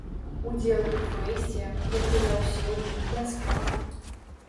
Удзел у фэсце, як і заўсёды, бясплатны.